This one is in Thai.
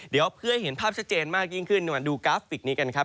เดี๋ยวเพื่อให้เห็นภาพชัดเจนมากยิ่งขึ้นมาดูกราฟิกนี้กันครับ